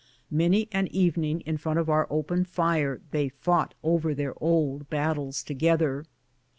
Many an evening in front of our open fire they fought over their old battles together.